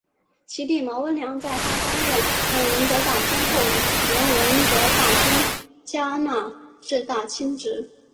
其弟毛温良在她担任闻得大君后任闻得大君加那志大亲职。